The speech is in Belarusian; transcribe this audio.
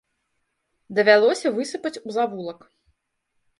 Давялося высыпаць у завулак.